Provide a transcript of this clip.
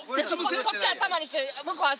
こっち頭にして向こう足。